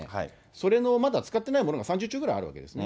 それのまだ使ってないものが３０兆ぐらいあるわけですね。